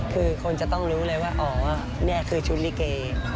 คือคนจะต้องรู้เลยว่าอ๋อนี่คือชุดลิเก